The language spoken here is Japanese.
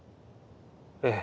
ええ。